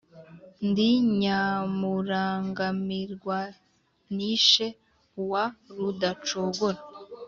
ndi nyamurangamirwanishe wa rudacogora